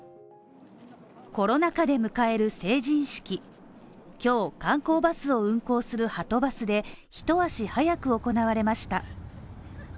コロナ禍で迎える成人式、今日、観光バスを運行するはとバスで一足早く行われました。